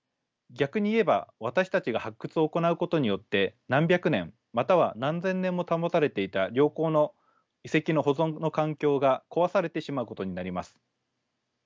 逆に言えば私たちが発掘を行うことによって何百年または何千年も保たれていた良好の遺跡の保存の環境が壊されてしまうことになります。